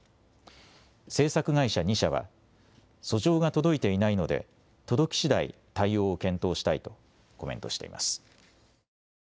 制作会社２社は訴状が届いていないので届きしだい対応を検討したいとコメントしています。